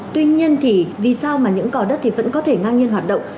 tuy nhiên thì vì sao mà những cỏ đất vẫn có thể ngang nhiên hoạt động